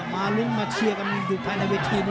มาส์ลุ้นมาเชียร์กันอยู่ภายในวิกธีดอีก